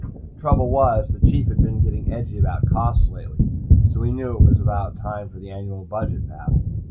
Trouble was, the Chief had been getting edgy about costs lately, so we knew it was about time for the annual budget battle.